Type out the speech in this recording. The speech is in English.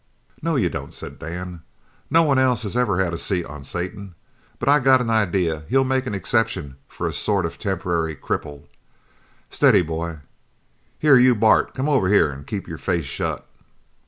"No you don't," said Dan. "No one else has ever had a seat on Satan, but I got an idea he'll make an exception for a sort of temporary cripple. Steady, boy. Here you, Bart, come over here an' keep your face shut!"